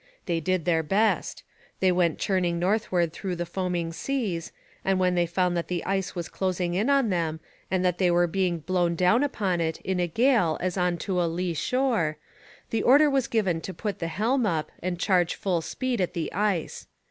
They did their best. They went churning northward through the foaming seas, and when they found that the ice was closing in on them, and that they were being blown down upon it in a gale as on to a lee shore, the order was given to put the helm up and charge full speed at the ice.